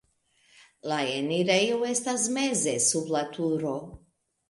La enirejo estas meze sub la turo.